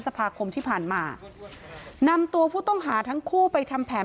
ภาคมที่ผ่านมานำตัวผู้ต้องหาทั้งคู่ไปทำแผน